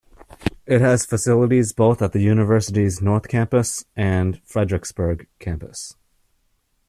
It has facilities both at the university's North Campus and Frederiksberg Campus.